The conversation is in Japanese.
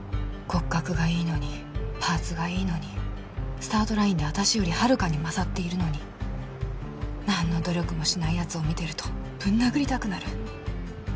骨格がいいのにパーツがいいのにスタートラインで私よりはるかに勝っているのになんの努力もしないやつを見てるとぶん殴りたくなる。